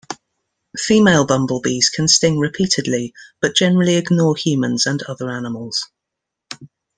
Female bumblebees can sting repeatedly, but generally ignore humans and other animals.